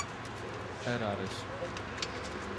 Araras